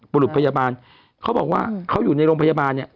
บุรุษพยาบาลเขาบอกว่าเขาอยู่ในโรงพยาบาลเนี่ย